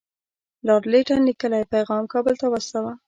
لارډ لیټن لیکلی پیغام کابل ته واستاوه.